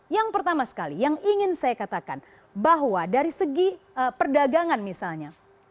yang pertama sekali yang ingin saya katakan bahwa dari segi perdagangan misalnya